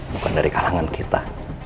bukan dari kalangan kita